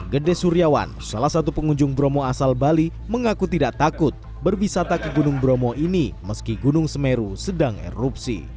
gede suryawan salah satu pengunjung bromo asal bali mengaku tidak takut berbisata ke gunung bromo ini meski gunung semeru sedang erupsi